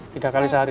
tiga kali sehari